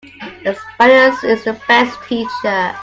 Experience is the best teacher.